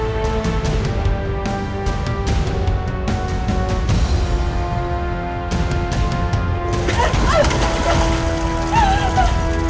gak mau nembati lagi